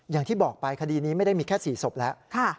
อย่างที่บอกไปคดีนี้ไม่ได้มีแค่๔ศพแล้ว